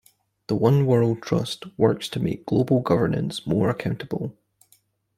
The One World Trust works to make global governance more accountable.